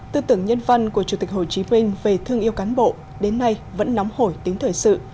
tư tưởng nhân văn của chủ tịch hồ chí minh về thương yêu cán bộ đến nay vẫn nóng hổi tính thời sự